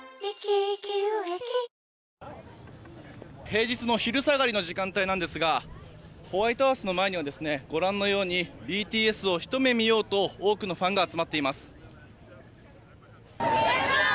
平日の昼下がりの時間帯なんですがホワイトハウスの前にはご覧のようにＢＴＳをひと目見ようと多くのファンが集まっています。